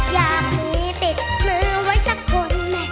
อยากมีติดมือไว้สักคน